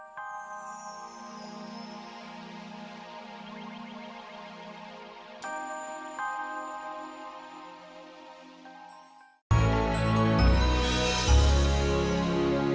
tidak ada yang bisa mengingatku